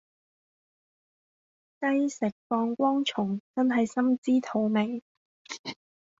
雞食放光蟲真係心知肚明